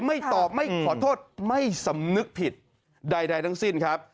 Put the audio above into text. ไม่ตอบไม่ขอโทษไม่สำนึกผิดใดทั้งสิ้นครับ